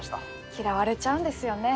嫌われちゃうんですよね。